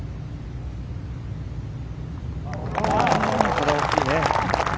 これは大きいね。